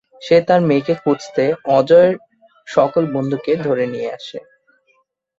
সে তার মেয়েকে খুঁজতে "অজয়"র সকল বন্ধুকে ধরে নিয়ে আসে।